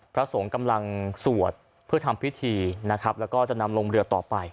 พระสงส์กำลังสวดเพื่อทำพิธีและจะนำลงเรือต่อไป